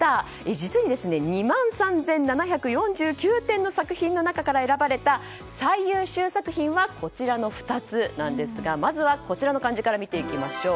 実に２万３７４９点の作品の中から選ばれた最優秀作品はこちらの２つなんですがまずは、こちらの漢字から見ていきましょう。